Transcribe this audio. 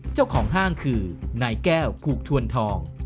เจ้าของห้างคือนายแก้วกูทวนทอง